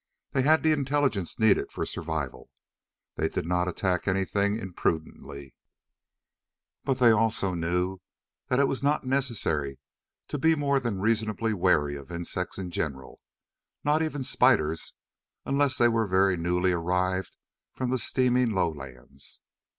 They had the intelligence needed for survival. They did not attack anything imprudently, but they also knew that it was not necessary to be more than reasonably wary of insects in general, not even spiders unless they were very newly arrived from the steaming lowlands.